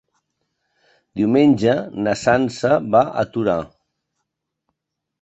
Diumenge na Sança va a Torà.